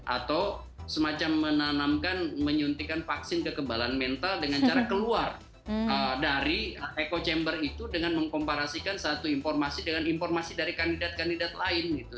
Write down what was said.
atau semacam menanamkan menyuntikkan vaksin kekebalan mental dengan cara keluar dari echo chamber itu dengan mengkomparasikan satu informasi dengan informasi dari kandidat kandidat lain gitu